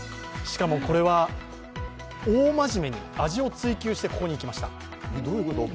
しかもこれは大まじめに味を追求してここにいきました。